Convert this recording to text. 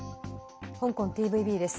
香港ＴＶＢです。